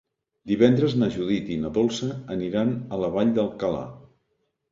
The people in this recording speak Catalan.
Divendres na Judit i na Dolça aniran a la Vall d'Alcalà.